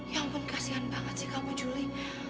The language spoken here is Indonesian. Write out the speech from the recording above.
ya ampun kasihan banget sih kamu juli